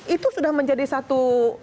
itu sudah menjadi satu